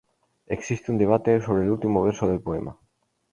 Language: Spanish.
Existe un debate sobre el último verso del poema.